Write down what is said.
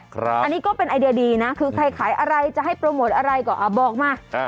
อันนี้ก็เป็นไอเดียดีนะคือใครขายอะไรจะให้โปรโมทอะไรก็บอกมา